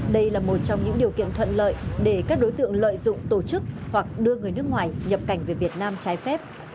đây là một trong những điều kiện thuận lợi để các đối tượng lợi dụng tổ chức hoặc đưa người nước ngoài nhập cảnh về việt nam trái phép